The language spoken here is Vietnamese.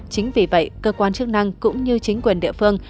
chính vì vậy cơ quan chức năng cũng như chính quyền địa phương